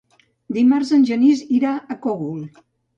Dimarts en Genís irà al Cogul.